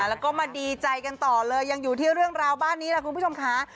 แล้วก็มาดีใจกันต่อเลยยังอยู่ที่เรื่องราวบ้านนี้แหละคุณผู้ชมค่ะ